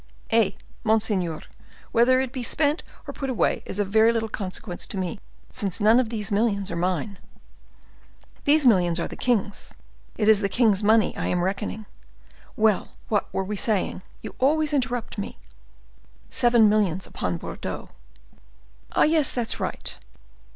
"Eh! monseigneur; whether it be spent or put away is of very little consequence to me, since none of these millions are mine." "These millions are the king's; it is the king's money I am reckoning. Well, what were we saying? You always interrupt me!" "Seven millions upon Bordeaux." "Ah! yes; that's right.